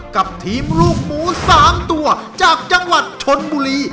กับทีมลูกหมู๓ตัวจากจังหวัดชนบุรี